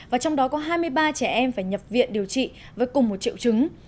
và trong đó có hai mươi ba trẻ em phải nhập viện điều trị với cùng một triệu chứng